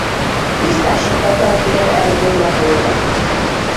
Tisztásokkal tarkított erdők lakója.